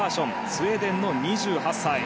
スウェーデンの２８歳。